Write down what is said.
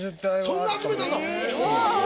そんな集めたの！？